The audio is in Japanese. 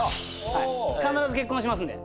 必ず結婚しますんで。